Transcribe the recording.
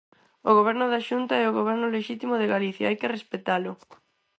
O Goberno da Xunta é o goberno lexítimo de Galicia, hai que respectalo.